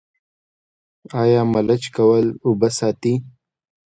آیا ملچ کول اوبه ساتي؟